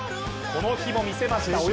この日も見せました。